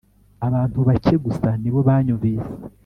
abantu bake gusa ni bo banyumvise